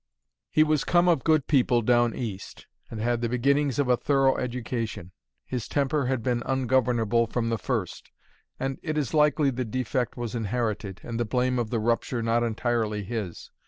He was come of good people Down East, and had the beginnings of a thorough education. His temper had been ungovernable from the first; and it is likely the defect was inherited, and the blame of the rupture not entirely his.